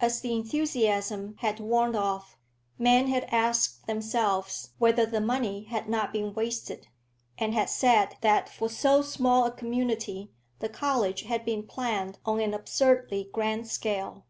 As the enthusiasm had worn off, men had asked themselves whether the money had not been wasted, and had said that for so small a community the college had been planned on an absurdly grand scale.